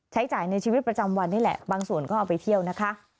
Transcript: ใช้จ่ายในชีวิตประจำวันนี่แหละบางส่วนก็เอาไปเที่ยวนะคะ